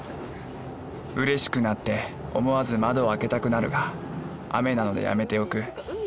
うれしくなって思わず窓を開けたくなるが雨なのでやめておく。